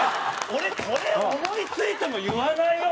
俺これ思い付いても言わないよ？